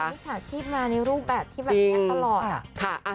มิจฉาชีพมาในรูปแบบที่แบบนี้ตลอด